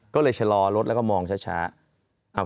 ก็เลยชะลอรถแล้วก็มองช้า